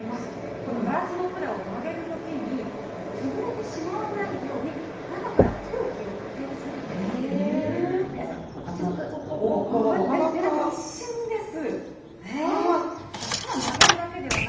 このガラスの管を曲げるときに、潰れてしまわないように、中から空気を入れ続けているわけなんです。